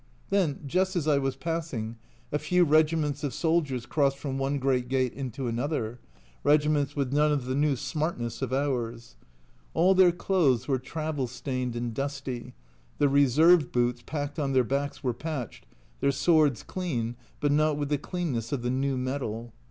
Then just as I was passing, a few regiments of soldiers crossed from one great gate into another regiments with none of the new smartness of ours. All their clothes were travel stained and dusty, the reserve boots packed on their backs were patched, their swords clean, but not with the cleanness of the new metal.